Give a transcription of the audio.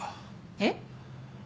えっ？